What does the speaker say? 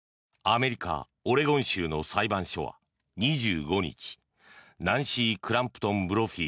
アメリカ・オレゴン州の裁判所は２５日ナンシー・クランプトン・ブロフィ